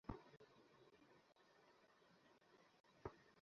বাড়ির সমস্ত চাকরবাকর দরজার কাছে আসিয়া জড়ো হইল।